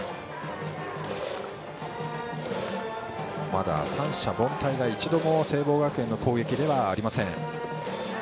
まだ三者凡退が１度も聖望学園の攻撃でありません。